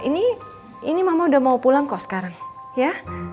ini mama udah mau pulang kok sekarang ya